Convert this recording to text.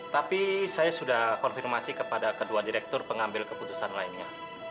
tapi saya sudah konfirmasi kepada kedua direktur pengambil keputusan lainnya